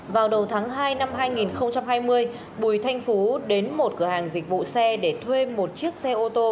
vào đầu tháng hai năm hai nghìn hai mươi bùi thanh phú đến một cửa hàng dịch vụ xe để thuê một chiếc xe ô tô